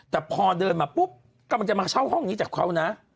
แต่พอเดินมาปุ๊บกำลังจะมาเช่าห้องนี้จากเขานะ